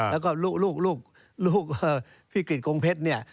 แล้วก็ลูกพี่กริจกงเพชรเนี่ย